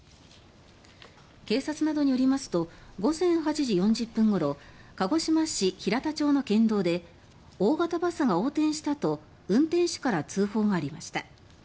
警察などによりますと午前８時４０分ごろ鹿児島市平田町の県道で大型バスが横転したと運転手から通報がありました。